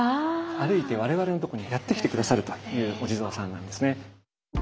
歩いて我々のとこにやって来て下さるというお地蔵さんなんですね。